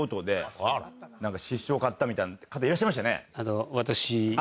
失笑を買ったみたいな方いらっしゃいましたよね。